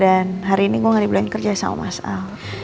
dan hari ini gue gak dibilang kerja sama mas al